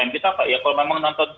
kalau memang nonton